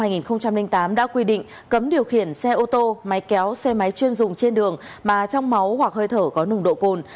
bà trang luật giao thông đường bộ năm hai nghìn tám đã quy định cấm điều khiển xe ô tô máy kéo xe máy chuyên dùng trên đường mà trong máu hoặc hơi thở có nồng độ cồn